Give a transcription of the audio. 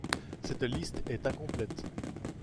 Cette liste est incomplète.